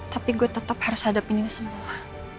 tapi gue tetap harus hadapin ini semua